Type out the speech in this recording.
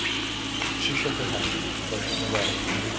She shook her head, looking away.